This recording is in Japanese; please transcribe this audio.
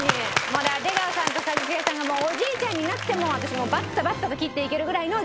だから出川さんと一茂さんがおじいちゃんになっても私をバッタバッタと斬っていけるぐらいの元気をね